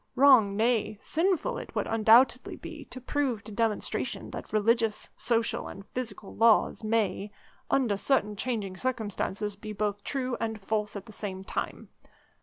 Wrong, nay, sinful it would undoubtedly be to prove to demonstration that religious, social, and physical laws, may, under certain changing circumstances, be both true and false at the same time.